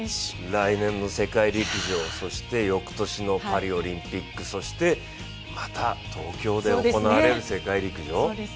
来年の世界陸上、そして翌年のパリオリンピック、そしてまた、東京で行われる世界陸上。